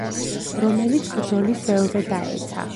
რომელიც ბრძოლის ველზე დაეცა.